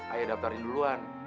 aya daftarin duluan